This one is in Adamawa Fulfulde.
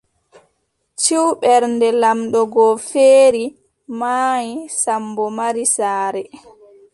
Ciw, Ɓernde laamɗo go feeri, maayi, Sammbo mari saare.